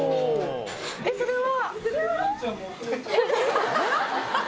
それは。